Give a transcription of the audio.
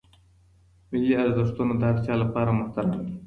ملي ارزښتونه د هر چا لپاره محترم دي.